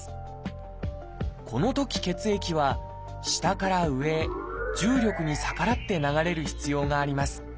このとき血液は下から上へ重力に逆らって流れる必要があります。